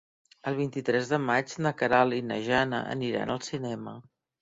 El vint-i-tres de maig na Queralt i na Jana aniran al cinema.